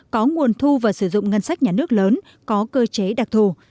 có nguồn thu và sử dụng ngân sách nhà nước lớn có cơ chế đặc thù